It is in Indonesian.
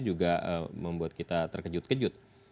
juga membuat kita terkejut kejut